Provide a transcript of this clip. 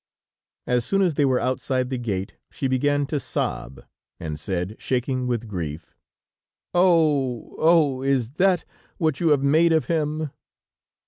As soon as they were outside the gate, she began to sob, and said, shaking with grief: "Oh! oh! is that what you have made of him?"